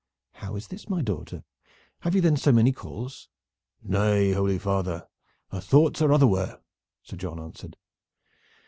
"How is this, my daughter? Have you then so many calls?" "Nay, holy father, her thoughts are otherwhere," Sir John answered.